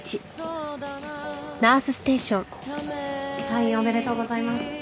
退院おめでとうございます。